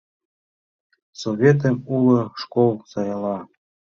Советым уло школ сайла.